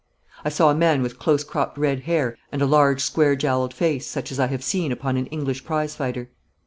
I saw a man with close cropped red hair and a large square jowled face, such as I have seen upon an English prize fighter.